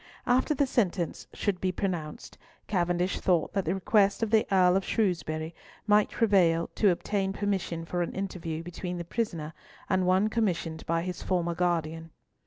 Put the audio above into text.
After the sentence should be pronounced, Cavendish thought that the request of the Earl of Shrewsbury might prevail to obtain permission for an interview between the prisoner and one commissioned by his former guardian.